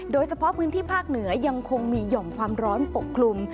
โดยเฉพาะพื้นที่ภาคเหนือยังคงมีห่อมความร้อนปกคลุม